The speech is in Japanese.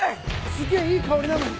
すげえいい香りなのに。